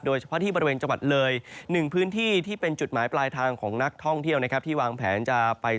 ในบริเวณอันกล่าวนั้นตอนนี้มากแค่ไหน